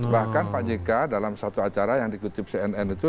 bahkan pak jk dalam suatu acara yang dikutip cnn itu